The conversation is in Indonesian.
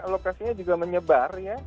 lokasinya juga menyebar ya